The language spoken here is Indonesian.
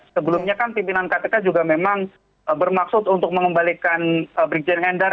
sebelumnya kan pimpinan kpk juga memang bermaksud untuk mengembalikan brigjen endar